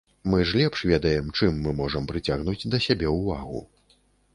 Мы ж лепш ведаем, чым мы можам прыцягнуць да сябе ўвагу.